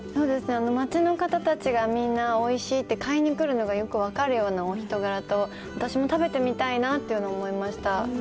街の方たちがみんなおいしいって買いに来るのがよく分かるようなお人柄と、私も食べてみたいなっていうの思いました。